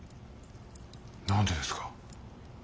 何でですか？